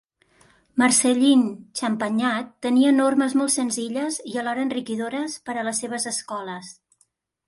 Marcellín Champagnat tenia normes molt senzilles i alhora enriquidores per a les seves escoles.